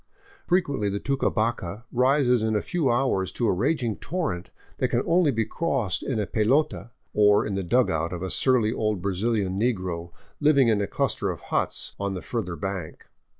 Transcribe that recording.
Frequently the Tucabaca rises in a few hours to a raging torrent that can only be crossed in a pelota, or in the dugout of a surly old Brazilian negro living in a cluster of huts on the further bank.